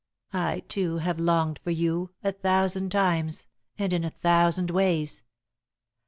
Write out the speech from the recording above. I, too, have longed for you, a thousand times, and in a thousand ways.